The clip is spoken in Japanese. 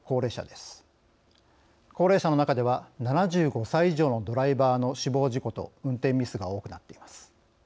高齢者の中では７５歳以上のドライバーの死亡事故と運転ミスが多くなっています。